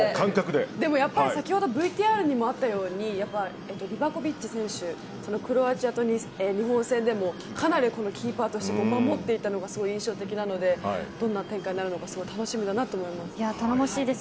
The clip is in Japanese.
でも、やっぱり先ほどＶＴＲでもあったようにリヴァコヴィッチ選手が日本戦でもかなりキーパーとして守っていたのが印象的なのでどんな展開になるか楽しみです。